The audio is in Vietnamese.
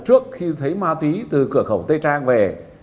trước khi thấy ma túy từ cửa khẩu tây trang về